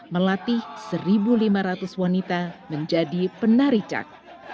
melatih satu lima ratus wanita menjadi penari cak